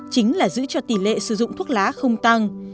chính là giữ cho tỷ lệ sử dụng thuốc lá không tăng